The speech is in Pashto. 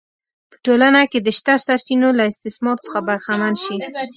په ټولنه کې د شته سرچینو له استثمار څخه برخمن شي